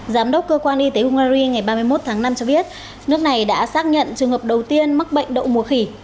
giám đốc cơ quan y tế hungary ngày ba mươi một tháng năm cho biết nước này đã xác nhận trường hợp đầu tiên mắc bệnh đậu mùa khỉ